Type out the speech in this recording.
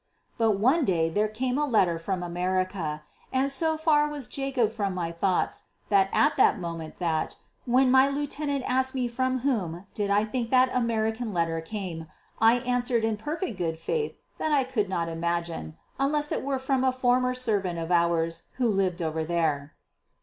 But one day there came a letter from America, and so far was Jacob from my thoughts at that moment that, when my lieutenant asked me from whom did I think that American letter came, I answered in perfect good faith that I could not imagine, unless it were from a former servant of ours who lived over there.